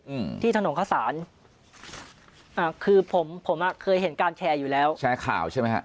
อืมที่ถนนข้าวสารอ่าคือผมผมอ่ะเคยเห็นการแชร์อยู่แล้วแชร์ข่าวใช่ไหมฮะ